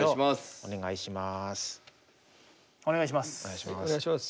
お願いします。